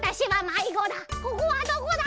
ここはどこだ！？」。